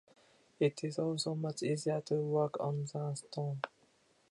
It is also much easier to work on than stone.